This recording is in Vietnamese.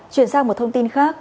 chuyển sang một thông tin khác